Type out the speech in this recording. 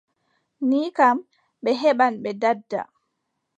Ni kam, ɓe heɓɓan ɓe daɗɗa.